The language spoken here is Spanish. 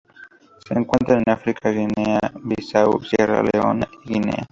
Se encuentran en África: Guinea Bissau, Sierra Leona y Guinea.